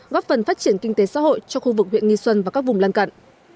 góp phần phát triển kinh tế xã hội cho khu vực huyện nghi xuân và các vùng lân cận